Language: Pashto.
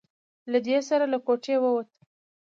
له دې سره له کوټې ووت.